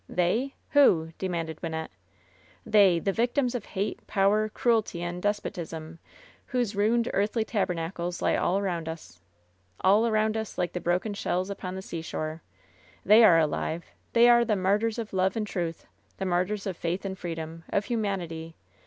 "They? Who ?" demanded Wynnette. "They — the victims of hate, power, cruelty and dee potism, whose ruined earthly tabernacles lie all around LOVE'S BITTEREST CUP 273 US. All arotind us, like the broken shells upon the sea shore. They are alive 1 They are the martyrs of love and truth ; the martyrs of faith and freedom, of human ity.